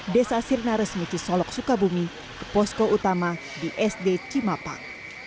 desa sirna resmi cisolok sukabumi ke posko utama di sd cimapang